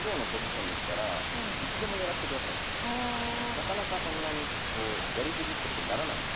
なかなかそんなにやり過ぎってことにならないんで。